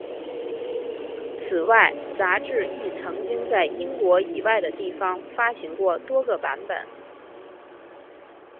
此外杂志亦曾经在英国以外的地方发行过多个版本。